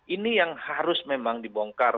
ini yang harus memang dibongkar